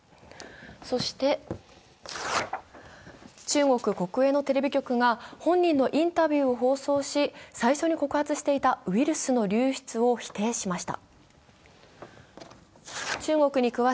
そして中国国営のテレビ局が本人のインタビューを放送し最初に告発していたウイルスの流出を否定しました。